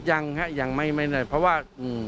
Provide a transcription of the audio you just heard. ยังฮะยังไม่ได้เพราะว่า